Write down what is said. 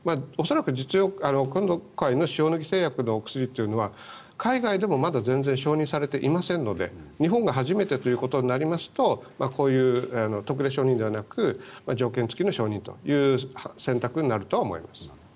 恐らく今回の塩野義製薬のお薬というのは海外でもまだ全然承認されていませんので日本が初めてということになりますとこういう特例承認ではなく条件付きの承認という選択になると思います。